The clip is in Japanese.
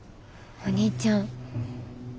お兄ちゃん。